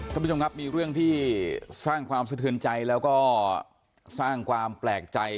ท่านผู้ชมครับมีเรื่องที่สร้างความสะเทือนใจแล้วก็สร้างความแปลกใจ